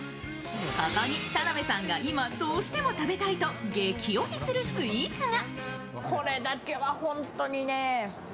ここに田辺さんが今どうしても食べたいと激推しするスイーツが。